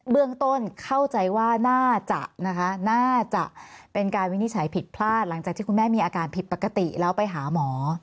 เรื่องต้นเข้าใจว่าน่าจะนะคะน่าจะเป็นการวินิจฉัยผิดพลาดหลังจากที่คุณแม่มีอาการผิดปกติแล้วไปหาหมอ